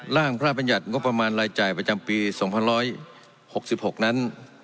ร่างพระบัญญัติงบประมาณรายจ่ายประจำปี๒๑๖๖นั้น